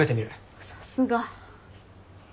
さすが。